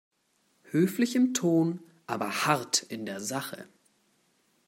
Höflich im Ton, aber hart in der Sache.